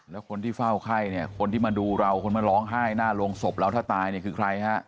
แล้วคนที่เฝ้าไข้เนี่ยคนที่มาดูเราคนมาร้องไห้หน้าโรงศพเราถ้าตายเนี่ยคือใครฮะ